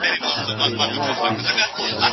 ولي ځايي واردوونکي طبي درمل له ازبکستان څخه واردوي؟